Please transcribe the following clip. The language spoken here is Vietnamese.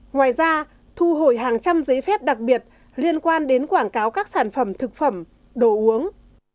ngoài ra thu hồi hàng trăm giấy phép đặc biệt liên quan đến quảng cáo các sản phẩm thực phẩm đồ uống